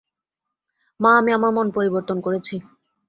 মা, আমি আমার মন পরিবর্তন করেছি।